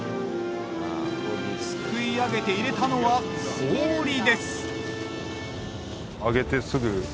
すくい上げて入れたのは氷です。